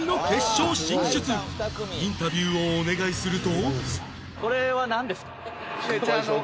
インタビューをお願いすると